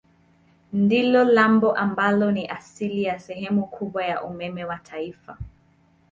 Ndilo lambo ambalo ni asili ya sehemu kubwa ya umeme wa taifa.